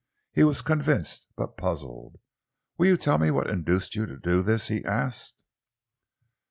He was convinced but puzzled. "Will you tell me what induced you to do this?" he asked.